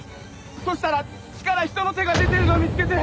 そしたら土から人の手が出てるのを見つけて。